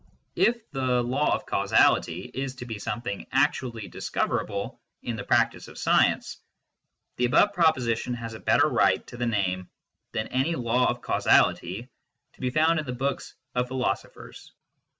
If the " law of causality " is to be something actually discoverable in the practice of science, the above proposition has a better right to the name than any " law of causality " to be found in the books of philosophers.